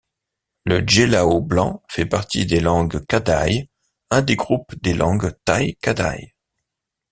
Le gelao blanc fait partie des langues kadai, un des groupes des langues tai-kadai.